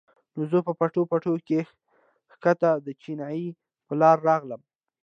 نو زۀ پۀ پټو پټو کښې ښکته د چینې پۀ لاره راغلم